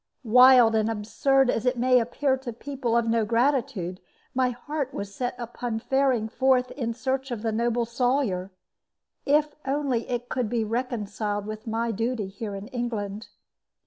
Wild, and absurd as it may appear to people of no gratitude, my heart was set upon faring forth in search of the noble Sawyer, if only it could be reconciled with my duty here in England.